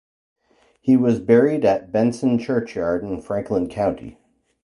He was buried at Benson Churchyard in Franklin County.